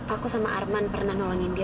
aku sama arman pernah nolongin dia